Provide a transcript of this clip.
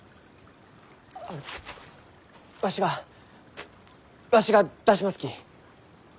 あわしがわしが出しますき。